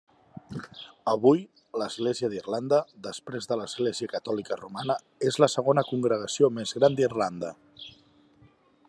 Avui l'Església d'Irlanda, després de l'Església Catòlica Romana, és la segona congregació més gran d'Irlanda.